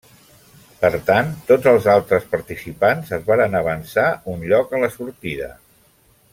Per tant, tots els altres participants es varen avançar un lloc a la sortida.